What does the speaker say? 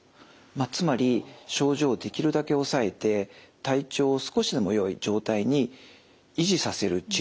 つまり症状をできるだけ抑えて体調を少しでもよい状態に維持させる治療が主な目的でした。